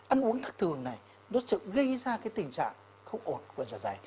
ăn uống thức thường này nó sẽ gây ra cái tình trạng không ổn của giả đài